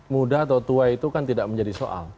muda atau tua itu kan tidak menjadi soal